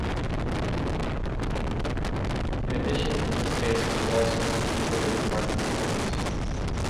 In addition, in this case, we would also need to consider departmental goals.